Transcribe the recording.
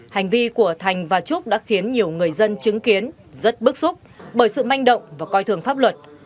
hành vi của thành và trúc đã khiến nhiều người dân chứng kiến rất bức xúc bởi sự manh động và coi thường pháp luật